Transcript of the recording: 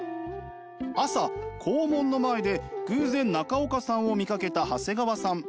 朝校門の前で偶然中岡さんを見かけた長谷川さん。